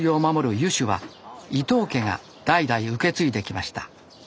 湯主は伊藤家が代々受け継いできました。